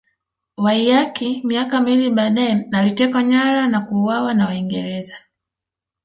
Waiyaki miaka miwili baadaye alitekwa nyara na kuuawa na Waingereza